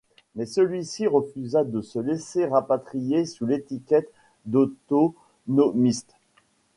Mais celui-ci refusa de se laisser rapatrier sous l'étiquette d'autonomiste.